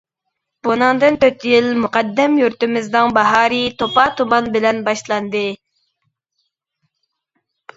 بۇنىڭدىن تۆت يىل مۇقەددەم يۇرتىمىزنىڭ باھارى توپا-تۇمان بىلەن باشلاندى.